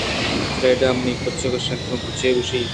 فریڈا ! منی چک اشکن چے گوٛشیت